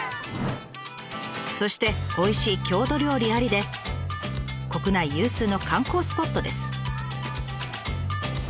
そしておいしい郷土料理ありで国内有数の観光スポットです。